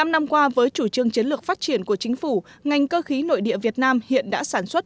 một mươi năm năm qua với chủ trương chiến lược phát triển của chính phủ ngành cơ khí nội địa việt nam hiện đã sản xuất